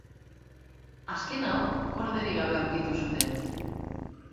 Azken hau korderik gabe aurkitu zuten.